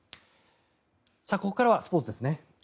ここからはスポーツですね。